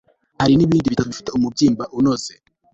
hari n'ibindi bitatu bifite umubyimba unoze